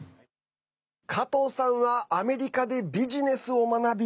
加藤さんはアメリカでビジネスを学び